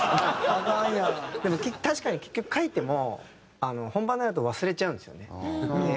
でも確かに結局書いても本番になると忘れちゃうんですよね。